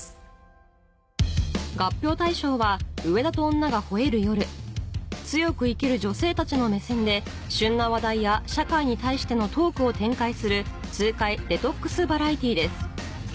合評対象は『上田と女が吠える夜』強く生きる女性たちの目線で旬な話題や社会に対してのトークを展開する痛快デトックスバラエティーです